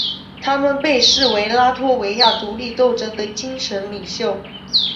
他们被视为拉脱维亚独立斗争的精神领袖。